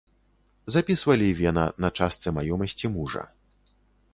Запісвалі вена на частцы маёмасці мужа.